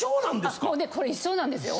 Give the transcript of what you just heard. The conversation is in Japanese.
これ一生なんですよ。